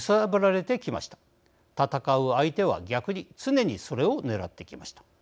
戦う相手は逆に常にそれを狙ってきました。